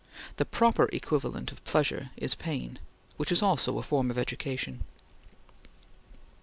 The proper equivalent of pleasure is pain, which is also a form of education.